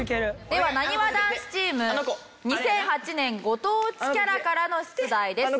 ではなにわ男子チーム２００８年ご当地キャラからの出題です。